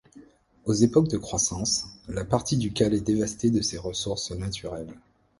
Aux époques de croissance, la partie ducale est dévastée de ses ressources naturelles.